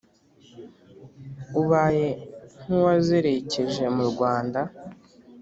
ubaye nk'uwazerekeje mu rwanda.